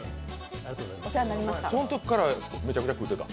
そのときからめちゃくちゃ食うてたん？